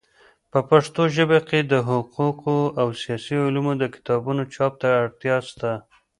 په پښتو ژبه د حقوقو او سیاسي علومو د کتابونو چاپ ته اړتیا سته.